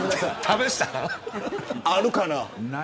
あるかな。